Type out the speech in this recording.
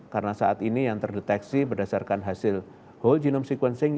karena saat ini yang terdeteksi berdasarkan hasil whole genome sequencing